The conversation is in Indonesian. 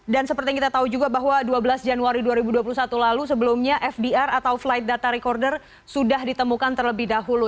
dan seperti yang kita tahu juga bahwa dua belas januari dua ribu dua puluh satu lalu sebelumnya fdr atau flight data recorder sudah ditemukan terlebih dahulu